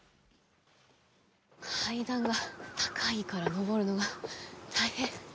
階段が高いから、上るのが大変。